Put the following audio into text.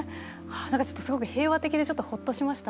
何かちょっとすごく平和的でちょっとほっとしました。